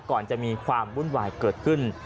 ก่อนจะมีความวุ่นวายเกิดขึ้น